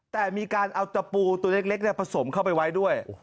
แต่มีการเอาตะปูตัวเล็กผสมเข้าไปไว้ด้วย